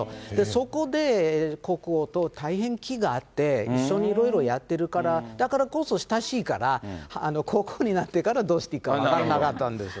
そこで国王と大変気が合って、一緒にいろいろやってるから、だからこそ親しいから、国王になってから、どうしていいか分からなかったんです。